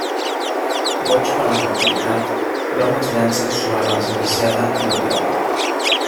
Boig per la captivitat, l'home es llança sobre la desgraciada i la viola.